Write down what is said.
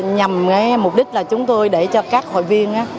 nhằm mục đích là chúng tôi để cho các hội viên